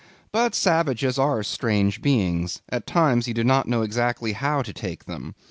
But savages are strange beings; at times you do not know exactly how to take them.